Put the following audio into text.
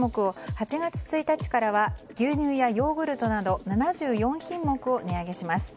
８月１日からは牛乳やヨーグルトなど７４品目を値上げします。